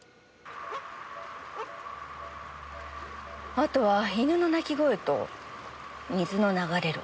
あとは犬の鳴き声と水の流れる音がするわ。